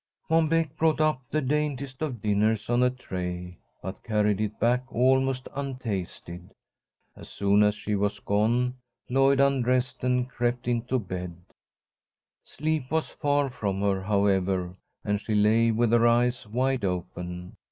Mom Beck brought up the daintiest of dinners on a tray, but carried it back almost untasted. As soon as she was gone, Lloyd undressed and crept into bed. Sleep was far from her, however, and she lay with her eyes wide open.